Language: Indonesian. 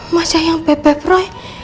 masa yang pepeproy